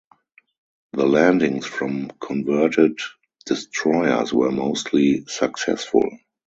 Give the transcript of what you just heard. The landings from converted destroyers were mostly successful.